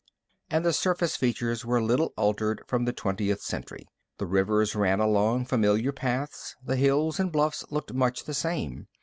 And the surface features were little altered from the twentieth century. The rivers ran along familiar paths, the hills and bluffs looked much the same.